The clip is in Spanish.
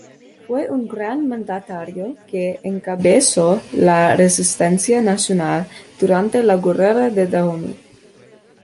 Fue un gran mandatario que encabezó la resistencia nacional durante la Guerra de Dahomey.